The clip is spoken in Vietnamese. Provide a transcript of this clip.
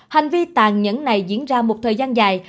hành vi tàn nhẫn này diễn ra một thời gian dài